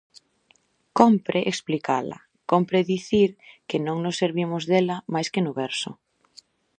Cómpre explicala, cómpre dicir que non nos servimos dela mais que no verso.